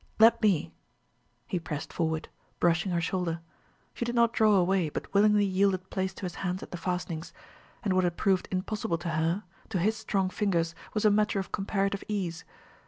"Let me ..." He pressed forward, brushing her shoulder. She did not draw away, but willingly yielded place to his hands at the fastenings; and what had proved impossible to her, to his strong fingers was a matter of comparative ease.